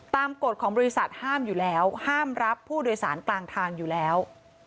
กฎของบริษัทห้ามอยู่แล้วห้ามรับผู้โดยสารกลางทางอยู่แล้ว